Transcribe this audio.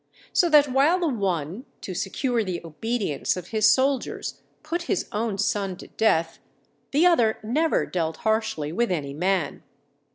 So that while the one, to secure the obedience of his soldiers, put his own son to death, the other never dealt harshly with any man.